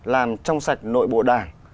làm trong sạch nội bộ đảng